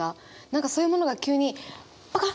何かそういうものが急にパカ